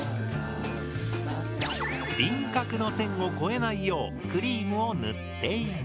輪郭の線を越えないようクリームを塗っていく。